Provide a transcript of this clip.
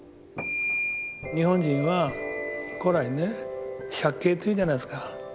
日本人は古来ね借景というじゃないですか。